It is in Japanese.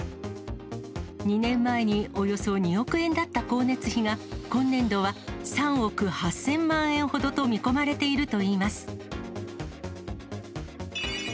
２年前に、およそ２億円だった光熱費が、今年度は３億８０００万円ほどと見込まれているといいます。